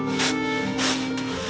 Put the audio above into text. agar tidak terjadi keguguran